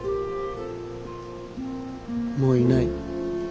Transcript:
もういない。